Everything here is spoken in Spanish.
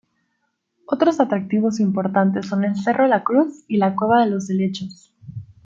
Otros atractivos importantes son el Cerro la Cruz y la Cueva de los Helechos.